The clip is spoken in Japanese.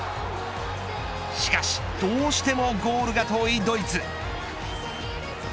しかしどうしてもゴールが遠いドイツ。